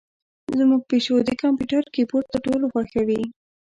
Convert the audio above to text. زمونږ پیشو د کمپیوتر کیبورډ تر ټولو خوښوي.